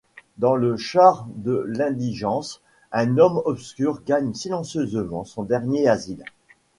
Dans le char de l’indigence un homme obscur gagne silencieusement son dernier asile.